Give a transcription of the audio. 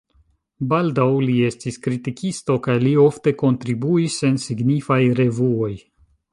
Baldaŭ li estis kritikisto kaj li ofte kontribuis en signifaj revuoj.